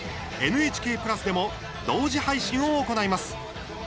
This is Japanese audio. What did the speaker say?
ＮＨＫプラスでも同時配信を行います。